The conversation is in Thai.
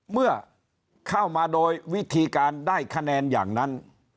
เมื่อเข้ามาโดยวิธีการได้คะแนนอย่างนั้น